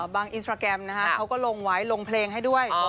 อินสตราแกรมเขาก็ลงไว้ลงเพลงให้ด้วย